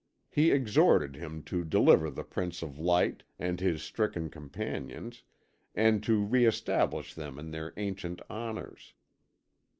He exhorted him to deliver the Prince of Light and his stricken companions and to re establish them in their ancient honours.